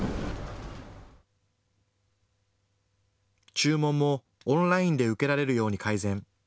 注文もオンラインで受けられるように改善。